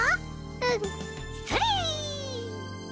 うん。それ。